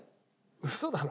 ウソだろ。